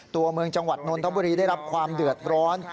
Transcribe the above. ตัวเมืองจังหวัดนนทบุรีได้รับความเดือดร้อน